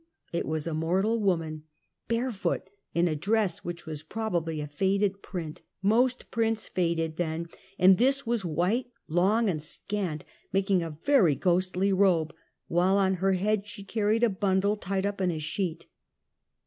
it was a mortal woman, barefoot, in a dress which was probably a faded print. Most prints faded then, and this was white, long and scant, making a very ghostly robe, while on her head she carried a bundle tied up in a sheet.